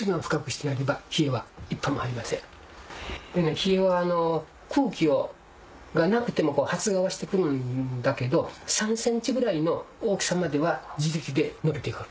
ヒエは空気がなくても発芽はして来るんだけど３ｃｍぐらいの大きさまでは自力で伸びて来る。